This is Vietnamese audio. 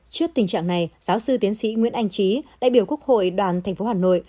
trước tình trạng này giáo sư tiến sĩ nguyễn anh trí đại biểu quốc hội đoàn tp hà nội